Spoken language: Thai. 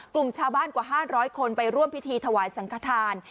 กลุ่มชาวบ้านกว่า๕๐๐คนไปร่วมพิธีถวายสังขทาน